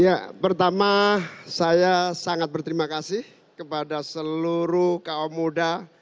ya pertama saya sangat berterima kasih kepada seluruh kaum muda